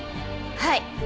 はい。